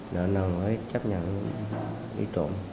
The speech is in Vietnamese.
đợt nào mới chấp nhận đi trộm